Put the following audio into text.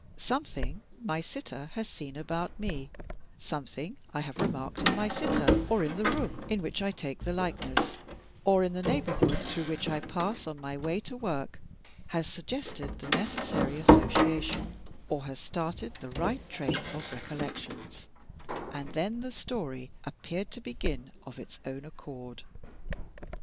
Something my sitter has seen about me, something I have remarked in my sitter, or in the room in which I take the likeness, or in the neighborhood through which I pass on my way to work, has suggested the necessary association, or has started the right train of recollections, and then the story appeared to begin of its own accord.